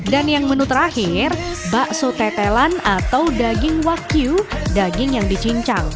dan yang menu terakhir bakso tetelan atau daging wakiu daging yang dicincang